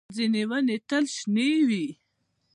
ځینې ونې تل شنې وي